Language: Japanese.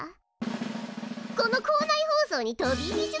この校内放送に飛び入り出演しなよ。